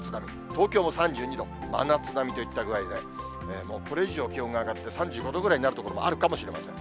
東京も３２度、真夏並みといった具合で、もうこれ以上、気温が上がって、３５度ぐらいになる所もあるかもしれません。